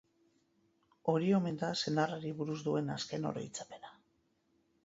Hori omen da senarri buruz duen azken oroitzapena.